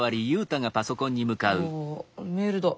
あメールだ。